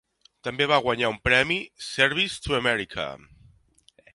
També va guanyar un premi Service to America.